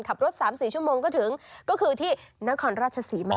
ขับรถ๓๔ชั่วโมงก็ถึงก็คือที่นครราชศรีมา